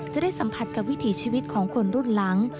จะได้สัมผัสกับวิถีชีวิตของคนรุ่นหลัง